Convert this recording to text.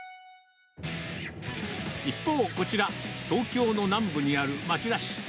一方、こちら、東京の南部にある町田市。